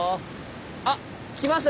あ！来ました。